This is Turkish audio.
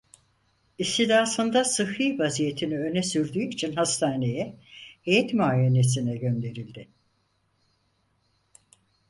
İstidasında sıhhi vaziyetini öne sürdüğü için hastaneye, heyet muayenesine gönderildi.